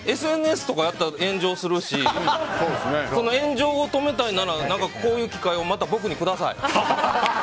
ＳＮＳとかやったら炎上するし炎上を止めたいならこういう機会をまた僕にください。